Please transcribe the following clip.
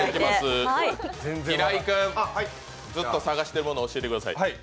平井君、ずっと探しているもの教えてください。